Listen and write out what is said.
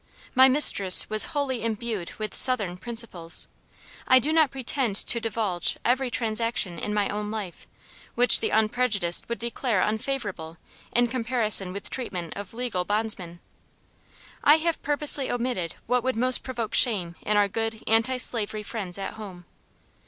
My mistress was wholly imbued with SOUTHERN principles. I do not pretend to divulge every transaction in my own life, which the unprejudiced would declare unfavorable in comparison with treatment of legal bondmen; I have purposely omitted what would most provoke shame in our good anti slavery friends at home.